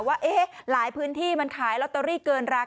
ว่าหลายพื้นที่มันขายลอตเตอรี่เกินราคา